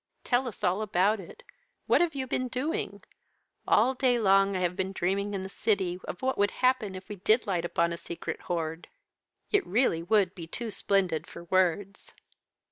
"Tell us all about it. What have you been doing? All day long I have been dreaming in the City of what would happen if we did light upon a secret hoard. It really would be too splendid for words."